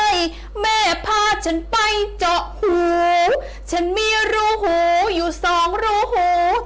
ฉันมีรูหูอยู่สองรูหู